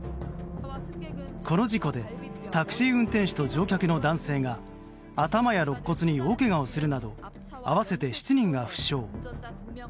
この事故でタクシー運転手と乗客の男性が頭や肋骨に大けがをするなど合わせて７人が負傷。